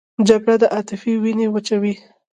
جګړه د عاطفې وینه وچوي